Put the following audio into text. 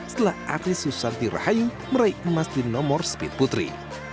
setelah aktris susanti rahayu meraih emas di nomor speed putri